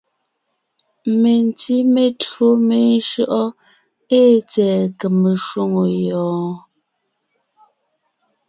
Mentí metÿǒ meshÿɔʼɔ́ ée tsɛ̀ɛ kème shwòŋo yɔɔn?